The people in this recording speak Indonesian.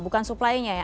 bukan supply nya ya